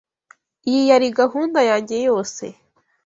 Iyi yari gahunda yanjye yose.